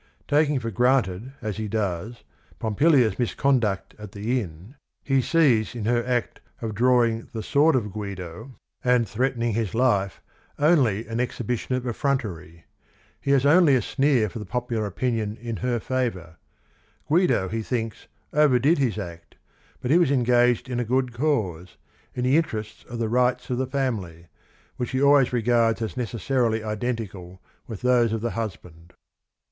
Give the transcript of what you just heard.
Taking for granted, as he does, Pompilia's mis conduct at the inn, he sees in her act of drawing THE OTHER HALF ROME 39 the sword of Guido, and threatening his life, only an exhibition of effrontery. He has only a sneer for the popular opinion in her favor. Guido, he thinks, overdid his act, but he was engaged in a good cause, in the interest of the rights of the family, which he always regards as necessarily identical with those of the husband.